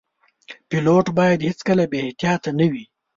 پیلوټ باید هیڅکله بې احتیاطه نه وي.